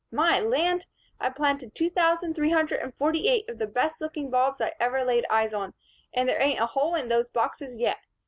My land! I've planted two thousand three hundred and forty eight of the best looking bulbs I ever laid eyes on, and there ain't a hole in those boxes yet.